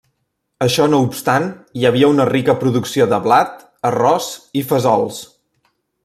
Això no obstant, hi havia una rica producció de blat, arròs i fesols.